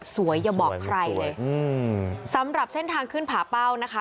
อย่าบอกใครเลยอืมสำหรับเส้นทางขึ้นผาเป้านะคะ